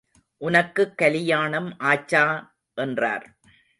உனக்குக் கலியாணம் ஆச்சா? என்றார்.